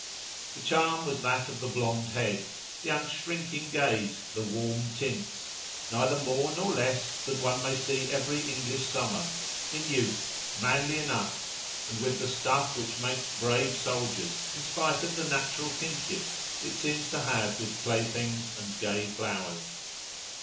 The charm was that of the blond head, the unshrinking gaze, the warm tints: neither more nor less than one may see every English summer, in youth, manly enough, and with the stuff which makes brave soldiers, in spite of the natural kinship it seems to have with playthings and gay flowers.